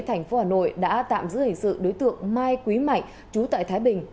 tp hà nội đã tạm giữ hình sự đối tượng mai quý mạnh chú tại thái bình